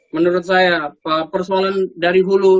menurut saya persoalan dari hulu